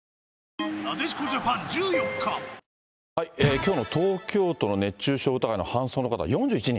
きょうの東京都の熱中症疑いの搬送の方４１人。